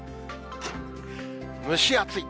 蒸し暑い。